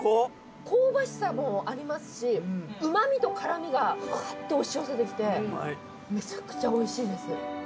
香ばしさもありますしうま味と辛味がふわって押し寄せてきてめちゃくちゃおいしいです。